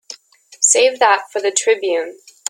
Save that for the Tribune.